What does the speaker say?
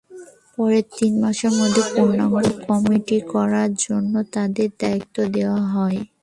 পরে তিন মাসের মধ্যে পূর্ণাঙ্গ কমিটি করার জন্য তাঁদের দায়িত্ব দেওয়া হয়।